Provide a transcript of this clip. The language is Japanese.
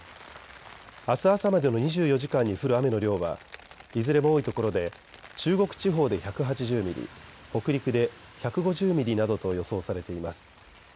あす朝までの２４時間に降る雨の量はいずれも多いところで中国地方で１８０ミリ、北陸で１５０ミリなどと予想されています。